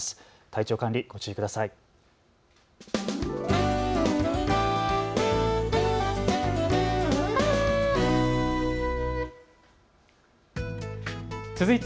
体調管理、ご注意ください。